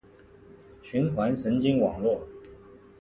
循环神经网络